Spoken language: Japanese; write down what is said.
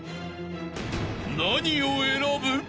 ［何を選ぶ？］